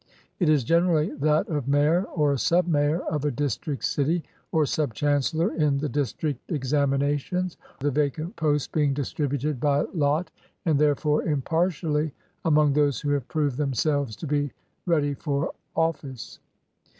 It is generally that of mayor or sub mayor of a district city, or sub chancellor in the district exam inations — the vacant posts being distributed by lot, and therefore impartially, among those who have proved themselves to be "ready for ofl&ce."